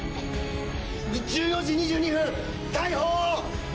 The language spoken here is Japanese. １４時２２分、逮捕。